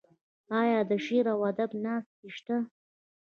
آیا د شعر او ادب ناستې شته؟